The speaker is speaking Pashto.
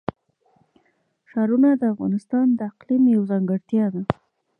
ښارونه د افغانستان د اقلیم یوه ځانګړتیا ده.